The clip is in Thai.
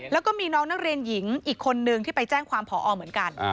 แล้วก็มีน้องนักเรียนหญิงอีกคนนึงที่ไปแจ้งความผอเหมือนกัน